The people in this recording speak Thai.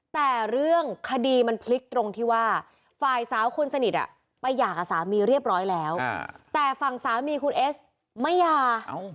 แต่เรื่องคดีมันพลิกตรงที่ว่าฝ่ายสาวคนสนิทไปหย่ากับสามีเรียบร้อยแล้วแต่ฝั่งสามีคุณเอสไม่หย่า